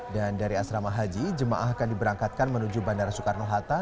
dan dari asrama haji jemaah akan diberangkatkan menuju bandara soekarno hatta